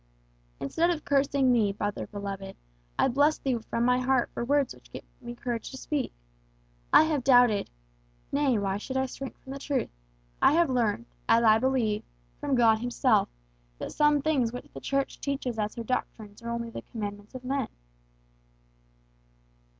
"Instead of cursing thee, brother beloved, I bless thee from my heart for words which give me courage to speak. I have doubted nay, why should I shrink from the truth! I have learned, as I believe, from God himself, that some things which the Church teaches as her doctrines are only the commandments of men."